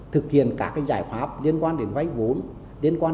thực hiện các cái giải pháp liên quan đến váy vốn